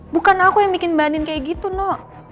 bukan aku yang bikin badin kayak gitu nuh